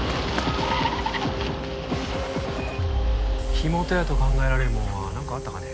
火元やと考えられるもんはなんかあったかね？